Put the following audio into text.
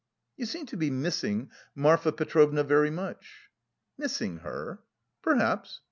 "You seem to be missing Marfa Petrovna very much?" "Missing her? Perhaps.